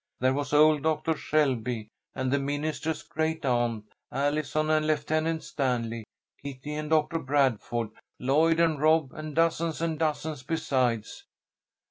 There was old Doctor Shelby and the minister's great aunt, Allison and Lieutenant Stanley, Kitty and Doctor Bradford, Lloyd and Rob, and dozens and dozens besides."